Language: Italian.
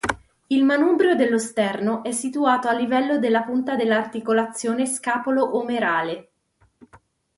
Il manubrio dello sterno è situato al livello della punta dell?articolazione scapolo-omerale.